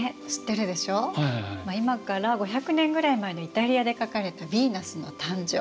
今から５００年ぐらい前のイタリアで描かれた「ヴィーナスの誕生」。